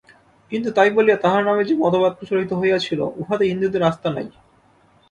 কিন্তু তাই বলিয়া তাঁহার নামে যে মতবাদ প্রচলিত হইয়াছিল, উহাতে হিন্দুদের আস্থা নাই।